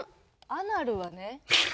「アナルはね」。